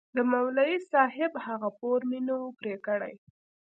د مولوي صاحب هغه پور مې نه و پرې كړى.